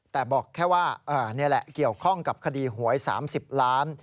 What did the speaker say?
แต่บอกแค่ว่านี่แหละเกี่ยวข้องกับคดีหวย๓๐ล้าน